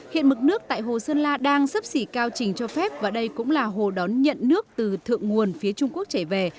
hiện mực nước tại hồ sơn la đang sấp xỉ cao trình cho phép và đây cũng là hồ đón nhận nước từ thượng nguồn phía trung quốc chảy về